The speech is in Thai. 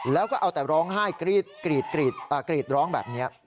แล้วก็เอาแต่ร้องไห้กรีดร้องแบบนี้